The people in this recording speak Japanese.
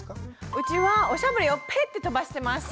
うちはおしゃぶりをペッて飛ばしてます。